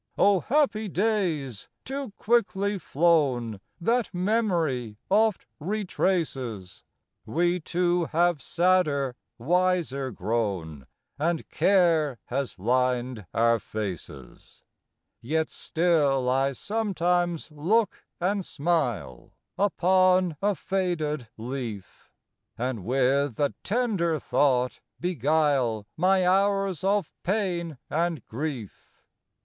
O happy days ! too quickly flown, That memory oft retraces ! We two have sadder, wiser grown, And care has lined our faces ; Yet still I sometimes look and smile Upon a faded leaf, And with a tender thought beguile My hours of pain and grief.